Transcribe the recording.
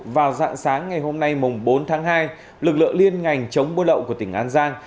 vào dạng sáng ngày hôm nay bốn tháng hai lực lượng liên ngành chống buôn lậu của tỉnh an giang